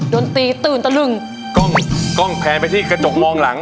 ดนตรีตื่นตะลึงกล้องกล้องแพนไปที่กระจกมองหลัง